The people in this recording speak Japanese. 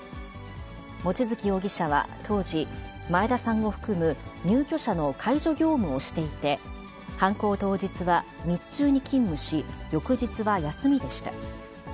望月容疑者は当時、前田さんを含む、入居者の介助業務をしていて、犯行当日は日中に勤務し、翌日は休みでした。